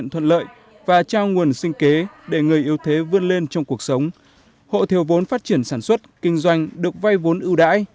hộ thiếu vốn phát triển sản xuất kinh doanh được vay vốn ưu đãi